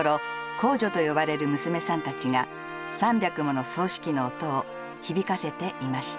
工女と呼ばれる娘さんたちが３００もの繰糸機の音を響かせていました。